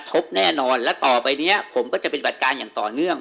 บแน่นอนและต่อไปเนี้ยผมก็จะปฏิบัติการอย่างต่อเนื่อง